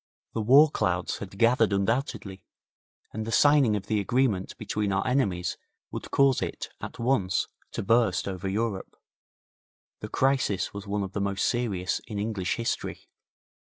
The war clouds had gathered undoubtedly, and the signing of the agreement between our enemies would cause it at once to burst over Europe. The crisis was one of the most serious in English history.